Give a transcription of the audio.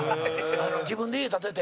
自分で家、建てて。